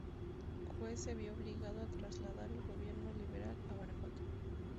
Juárez se vio obligado a trasladar el "gobierno liberal" a Guanajuato.